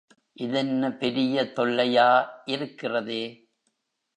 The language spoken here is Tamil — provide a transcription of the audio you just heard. இதென்ன பெரிய தொல்லையா இருக்கிறதே.